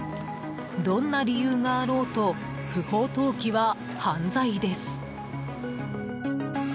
どんな理由があろうと不法投棄は犯罪です。